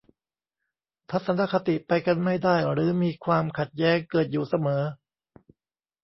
ทัศนคติไปกันไม่ได้หรือมีความขัดแย้งเกิดอยู่เสมอ